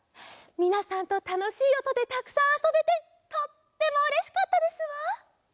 みなさんとたのしいおとでたくさんあそべてとってもうれしかったですわ。